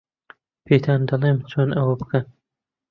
پێتان دەڵێم چۆن ئەوە بکەن.